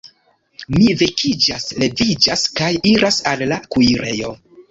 Mi vekiĝas, leviĝas, kaj iras al la kuirejo.